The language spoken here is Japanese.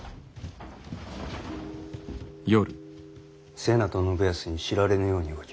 瀬名と信康に知られぬように動け。